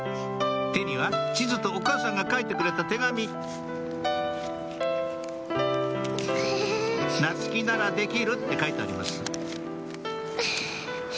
手には地図とお母さんが書いてくれた手紙「夏希ならできる」って書いてあります